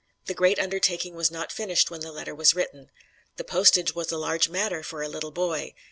The great undertaking was not finished when the letter was written. The postage was a large matter for a little boy.